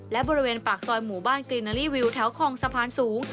และบริเวณปากซอยหมู่บ้านกรีนารีวิวแถวคลองสะพานสูง